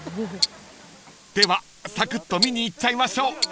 ［ではさくっと見に行っちゃいましょう］